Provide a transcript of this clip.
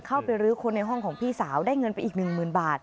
เข้าไปรื้อคนในห้องของพี่สาวได้เงินไปอีกหนึ่งหมื่นบาท